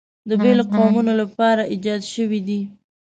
د بېلو قومونو لپاره ایجاد شوي دي.